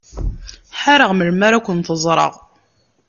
Ḥareɣ melmi ara kent-ẓreɣ.